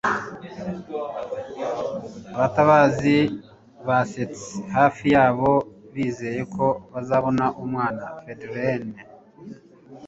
abatabazi basatse hafi yabo bizeye ko bazabona umwana. (feudrenais